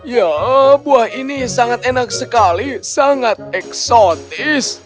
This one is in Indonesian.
ya buah ini sangat enak sekali sangat eksotis